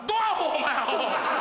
お前アホ！